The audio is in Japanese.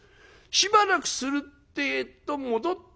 しばらくするってえと戻ってくる。